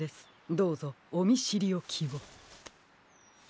どうぞおみしりおきを。